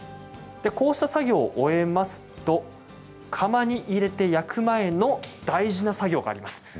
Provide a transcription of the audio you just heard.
こうした作業を終えますと窯に入れて焼く前の大事な作業があります。